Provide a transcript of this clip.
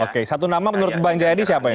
oke satu nama menurut bang jayadi siapa yang